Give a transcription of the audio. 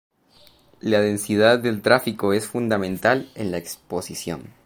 La densidad del tráfico es fundamental en la exposición.